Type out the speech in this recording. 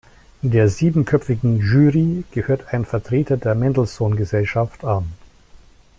Der siebenköpfigen Jury gehört ein Vertreter der Mendelssohn-Gesellschaft an.